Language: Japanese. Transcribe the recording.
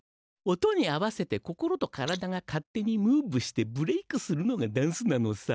音に合わせて心と体が勝手にムーブしてブレイクするのがダンスなのさ。